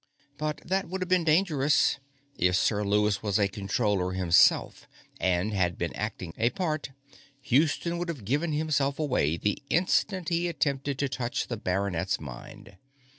But that would have been dangerous; if Sir Lewis was a Controller himself, and had been acting a part, Houston would have given himself away the instant he attempted to touch the baronet's mind.